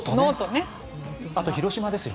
あと広島ですよ。